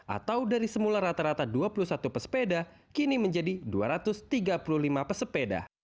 atau dari semula rata rata dua puluh satu pesepeda kini menjadi dua ratus tiga puluh lima pesepeda